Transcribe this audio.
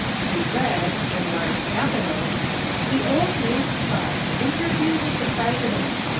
She read, in large capitals: "The Old Maids' Club. "Interview with the President.